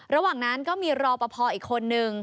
ระหว่างนั้นก็มีรอปภอีกคนนึง